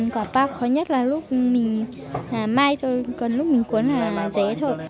quả bao khó nhất là lúc mình mai thôi còn lúc mình cuốn là dế thôi